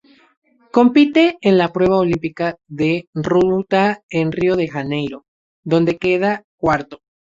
Compite en la prueba olímpica de ruta en Río de Janeiro, donde queda cuarto.